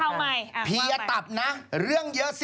ข่าวใหม่มากไปพี่ยะตับนะเรื่องเยอะสิ